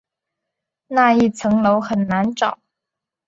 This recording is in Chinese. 那一层楼很难找